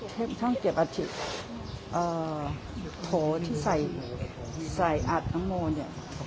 เท่งเก็บอาทิตย์โถที่ใส่ใส่อัดน้องโมเนี่ย